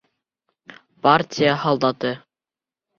Партия һалдаты!